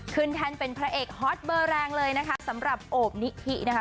แท่นเป็นพระเอกฮอตเบอร์แรงเลยนะคะสำหรับโอบนิธินะคะ